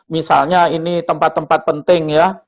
misalnya ini tempat tempat penting ya